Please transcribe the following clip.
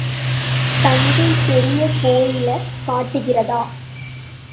தஞ்சைப் பெரிய கோயிலக் காட்டுகிறதா.